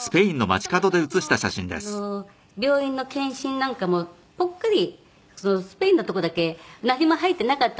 いやたまたま病院の検診なんかもぽっかりスペインのところだけ何も入ってなかったんです。